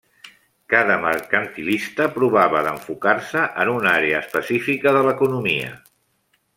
Cada mercantilista provava d'enfocar-se en una àrea específica de l'economia.